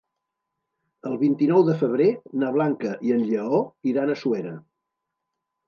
El vint-i-nou de febrer na Blanca i en Lleó iran a Suera.